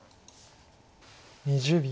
２０秒。